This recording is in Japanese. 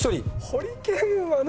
ホリケンはね。